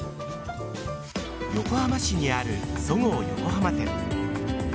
横浜市にある、そごう横浜店。